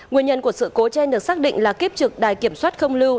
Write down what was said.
nguyên nhân của sự cố trên được xác định là kiếp trực đài kiểm soát không lưu